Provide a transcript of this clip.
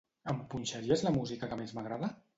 Em punxaries la música que més m'agrada?